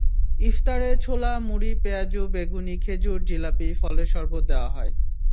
ইফতারে ছোলা, মুড়ি, পেঁয়াজু, বেগুনি, খেজুর, জিলাপি, ফলের শরবত দেওয়া হয়।